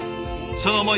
その思い